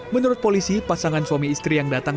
menurut polisi pasangan suami istri yang datang